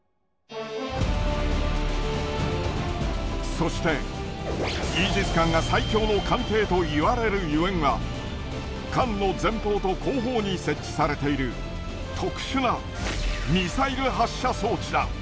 そして、イージス艦が最強の艦艇といわれるゆえんが、艦の前方と後方に設置されている特殊なミサイル発射装置だ。